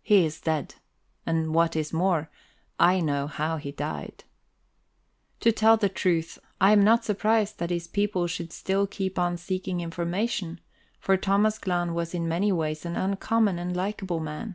He is dead, and, what is more, I know how he died. To tell the truth, I am not surprised that his people should still keep on seeking information; for Thomas Glahn was in many ways an uncommon and likable man.